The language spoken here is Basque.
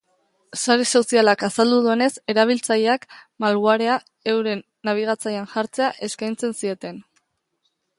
Sare sozialak azaldu duenez, erabiltzaileak malwarea euren nabigatzailean jartzea eskaintzen zieten.